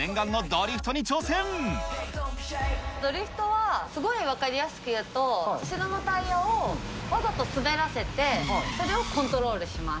ドリフトは、すごい分かりやすく言うと、後ろのタイヤをわざと滑らせて、それをコントロールします。